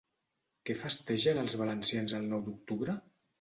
Què festegen els valencians el Nou d'Octubre?